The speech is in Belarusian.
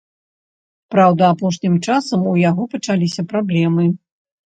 Праўда, апошнім часам у яго пачаліся праблемы.